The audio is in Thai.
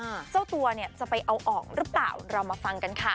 ถ้าเจ้ากำลังไหว้ตัวเนี่ยจะไปเอาออกหรือเปล่าทำมาฟังก่อนค่ะ